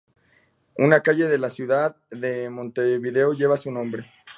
Una calle de la ciudad de Montevideo lleva su nombre.